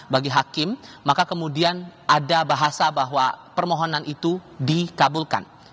bagi hakim maka kemudian ada bahasa bahwa permohonan itu dikabulkan